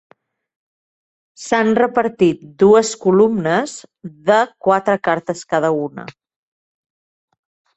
S'han repartit dues columnes de quatre cartes cada una.